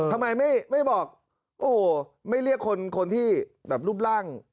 ทำไมไม่บอกโอ้โหไม่เรียกคนที่แบบรูปร่าง